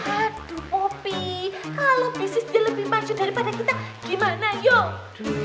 aduh kopi kalau bisnis dia lebih maju daripada kita gimana yuk